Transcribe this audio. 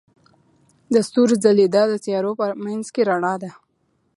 د ستورو ځلیدا د تیارو په منځ کې رڼا ده.